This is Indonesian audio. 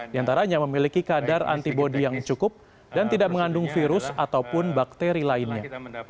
di antaranya memiliki kadar antibody yang cukup dan tidak mengandung virus ataupun bakteri lainnya